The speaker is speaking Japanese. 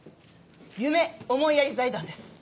夢思いやり財団です。